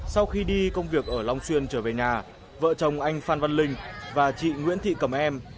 sau khi đi công việc ở long xuyên trở về nhà vợ chồng anh phan văn linh và chị nguyễn thị cẩm em